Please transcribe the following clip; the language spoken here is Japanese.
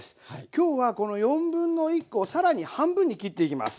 今日はこの1/4コを更に半分に切っていきます。